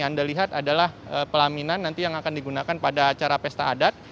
yang anda lihat adalah pelaminan nanti yang akan digunakan pada acara pesta adat